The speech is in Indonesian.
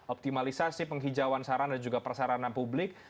optimalisasi penghijauan sarana dan juga persarana publik